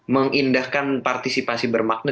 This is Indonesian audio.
mengindahkan partisipasi bermakna